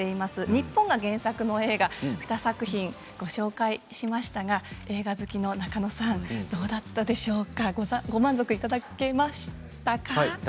日本が原作の映画２作品ご紹介しましたが映画好きの仲野さんどうだったでしょうか？